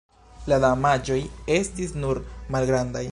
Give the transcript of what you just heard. La damaĝoj estis nur malgrandaj.